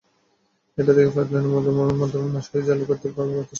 এটা থেকে পাইপলাইনের মাধ্যমে মশারি জালের প্রত্যেক ভাগে বাতাস দেওয়া যায়।